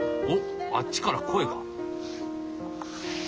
おっあっちから声が。